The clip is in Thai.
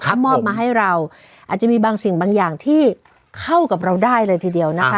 ถ้ามอบมาให้เราอาจจะมีบางสิ่งบางอย่างที่เข้ากับเราได้เลยทีเดียวนะคะ